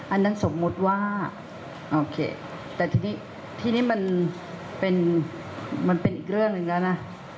อันนั้นสมมุติว่าโอเคแต่ทีนี้ที่นี่มันเป็นอีกเรื่องหนึ่งแล้วนะ